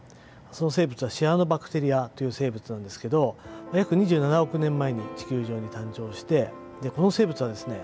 その生物はシアノバクテリアという生物なんですけど約２７億年前に地球上に誕生してこの生物はですね